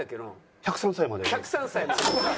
１０３歳まで。